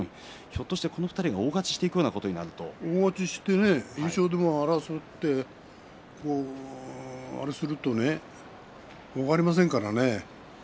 もちろんひょっとしてこの２人が大勝ちしていくようなことになる大勝ちして優勝でも争ってあれするとね分かりませんからね。